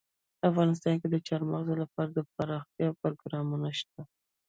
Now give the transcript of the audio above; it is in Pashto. افغانستان کې د چار مغز لپاره دپرمختیا پروګرامونه شته.